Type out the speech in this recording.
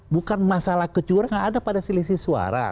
bukan masalah kecurangan ada pada selisih suara